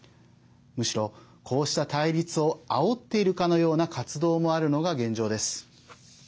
むしろ、こうした対立をあおっているかのような活動もあるのが現状です。